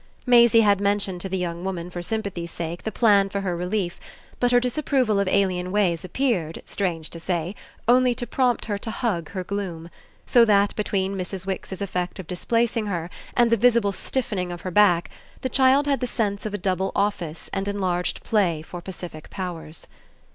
Maisie had mentioned to the young woman for sympathy's sake the plan for her relief, but her disapproval of alien ways appeared, strange to say, only to prompt her to hug her gloom; so that between Mrs. Wix's effect of displacing her and the visible stiffening of her back the child had the sense of a double office and enlarged play for pacific powers.